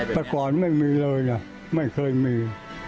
แต่ก่อนไม่มีเลยไม่เคยมี